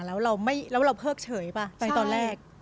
แล้วเราเพิกเฉยป่ะไปตอนแรก